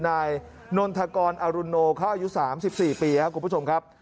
นายนนทกรอรุโนเขาอายุ๓๔ปีครับคุณผู้ชมครับ